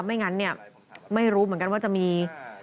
ไม่งั้นเนี่ยไม่รู้เหมือนกันว่าจะมี